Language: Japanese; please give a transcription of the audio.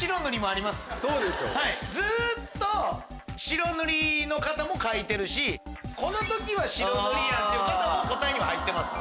ずっと白塗りの方も書いてるしこの時は白塗りやん！って方も答えには入ってます。